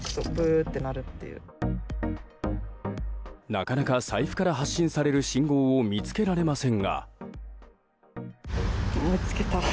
なかなか財布から発信される信号を見つけられませんが。